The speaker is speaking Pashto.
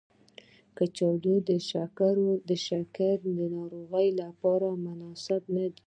کچالو د شکرې ناروغانو لپاره مناسب ندی.